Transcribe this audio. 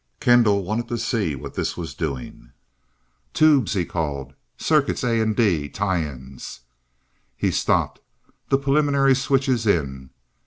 Kendall wanted to see what this was doing. "Tubes," he called. "Circuits A and D. Tie ins." He stopped, the preliminary switches in.